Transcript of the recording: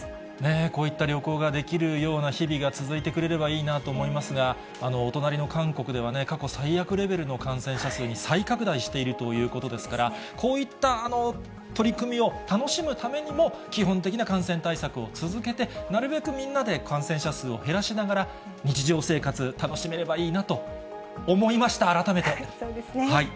こういった旅行ができるような日々が続いてくれればいいなと思いますが、お隣の韓国では、過去最悪レベルの感染者数に再拡大しているということですから、こういった取り組みを楽しむためにも、基本的な感染対策を続けて、なるべくみんなで感染者数を減らしながら、日常生活、楽しめればそうですね。